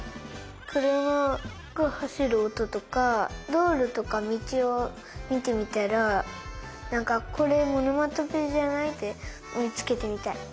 くるまがはしるおととかどうろとかみちをみてみたらなんかこれおのまとぺじゃない？ってみつけてみたい。